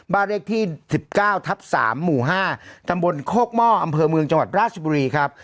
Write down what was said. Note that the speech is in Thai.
บาร์เลขที่สิบเก้าทับสามหมู่ห้าทำบนโคกม่ออำเภอเมืองจังหวัดประชบุรีครับ